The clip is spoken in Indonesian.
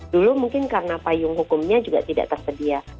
dulu mungkin karena payung hukumnya juga tidak tersedia